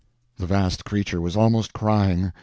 The vast creature was almost crying.